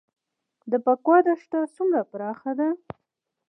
د بکوا دښته څومره پراخه ده؟